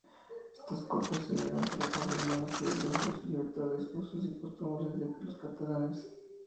Estas cortes sirvieron para confirmar los privilegios, libertades, usos y costumbres de los catalanes.